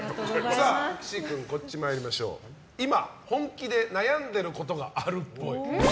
岸君、今本気で悩んでることがあるっぽい。